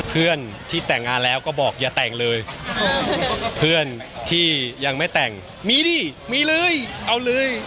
เพื่อนที่แต่งงานแล้วก็บอกอย่าแต่งเลยเพื่อนที่ยังไม่แต่งมีดิมีเลยเอาเลย